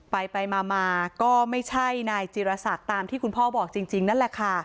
ไปมาก็ไม่ใช่นายจิรศักดิ์ตามที่คุณพ่อบอกจริงนั่นแหละค่ะ